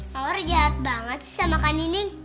maulah jahat banget sih sama kan nih nih